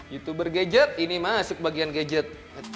youtuber gadget ini masih kebagian gadget